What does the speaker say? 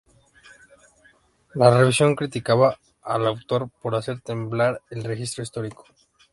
La revisión criticaba al autor por "hacer temblar el registro histórico".